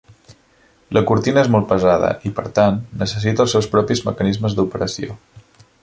La cortina és molt pesada i, per tant, necessita els seus propis mecanismes d'operació.